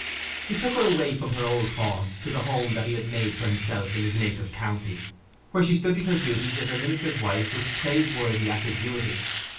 He took her away from her old haunts to the home that he had made for himself in his native county, where she studied her duties as a minister's wife with praiseworthy assiduity.